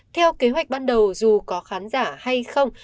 theo kế hoạch ban đầu dù có khán giả hay không